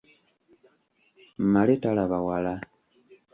Male talaba wala.